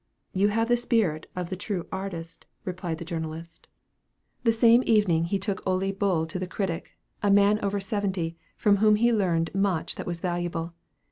"You have the spirit of the true artist," replied the journalist. The same evening he took Ole Bull to the critic, a man over seventy, from whom he learned much that was valuable.